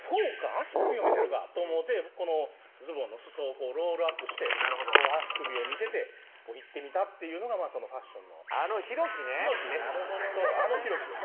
足首を見せるかと思うてこのズボンのすそをロールアップして足首を見せて行ってみたっていうのがそのファッションのあのひろきねなるほどねあのひろきです